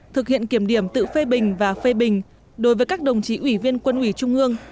thực hiện kiểm điểm tự phê bình và phê bình đối với các đồng chí ủy viên quân ủy trung ương